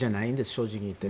正直言って。